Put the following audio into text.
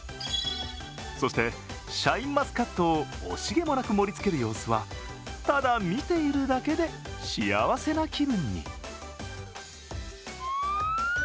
そして、シャインマスカットを惜しげもなく盛りつける様子は、ただ見ているだけで幸せな気分に。